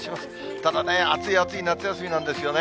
ただね、暑い暑い夏休みなんですよね。